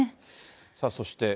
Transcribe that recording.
さあそして。